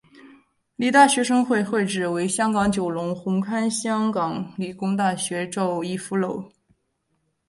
理大学生会会址为香港九龙红磡香港理工大学邵逸夫楼。